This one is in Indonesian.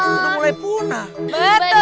apalagi boneka boneka seperti ini sudah jarang lho